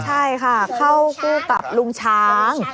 ใช่ค่ะเข้าคู่กับลุงช้าง